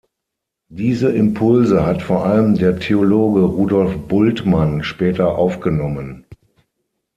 Diese Impulse hat vor allem der Theologe Rudolf Bultmann später aufgenommen.